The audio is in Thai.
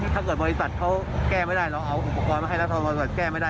ถ้าเกิดบริษัทเขาแก้ไม่ได้เราเอาอุปกรณ์ให้แล้วถ้าเก้ไม่ได้